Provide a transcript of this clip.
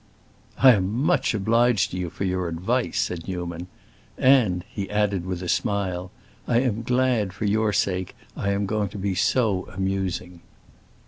"I am much obliged to you for your advice," said Newman. "And," he added with a smile, "I am glad, for your sake, I am going to be so amusing."